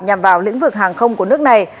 nhằm vào lĩnh vực hàng không của nước này